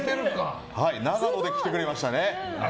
長野から来てくれましたね。